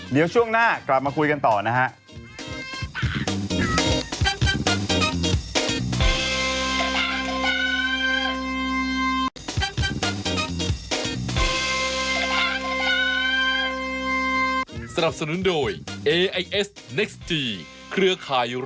เดี๋ยวช่วงหน้ากลับมาคุยกันต่อนะฮะ